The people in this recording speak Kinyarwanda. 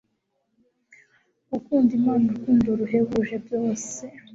Gukunda Imana urukundo ruhebuje byose,